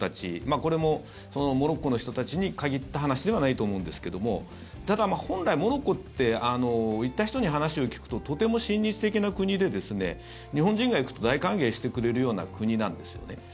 これもモロッコの人たちに限った話ではないと思うんですけどもただ本来、モロッコって行った人に話を聞くととても親日的な国で日本人が行くと大歓迎してくれるような国なんですよね。